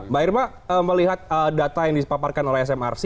mbak irma melihat data yang dipaparkan oleh smrc